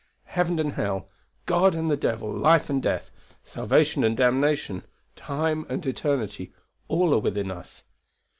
Heaven and hell, God and the devil, life and death, salvation and damnation, time and eternity, all are within us.